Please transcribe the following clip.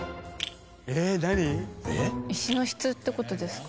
石の質って事ですか？